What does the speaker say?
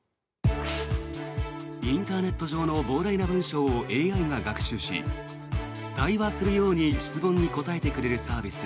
インターネット上の膨大な文章をＡＩが学習し対話するように質問に答えてくれるサービス